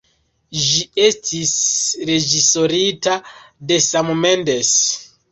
Ĝi estis reĝisorita de Sam Mendes.